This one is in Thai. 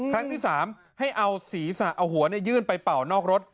ครั้งที่สามให้เอาหัวยื่นไปเป่านอกรถ